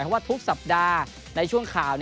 ว่าทุกสัปดาห์ในช่วงข่าว